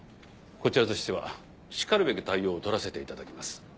こちらとしてはしかるべき対応を取らせていただきます。